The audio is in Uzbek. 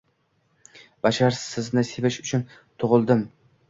Bashar, sizni sevish uchun tug‘ildim! ng